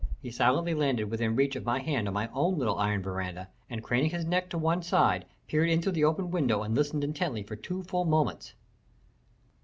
he silently landed within reach of my hand on my own little iron veranda, and craning his neck to one side, peered in through the open window and listened intently for two full minutes.